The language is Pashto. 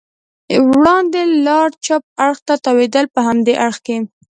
وړاندې لار چپ اړخ ته تاوېدل، په همدې اړخ کې.